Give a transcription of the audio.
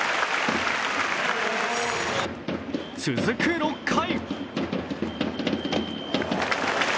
続く６回